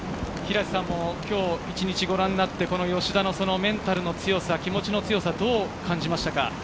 今日一日、ご覧になって、吉田のメンタルの強さ、気持ちの強さ、どう感じましたか？